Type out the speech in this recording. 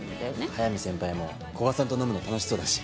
速見先輩も古賀さんと飲むの楽しそうだし。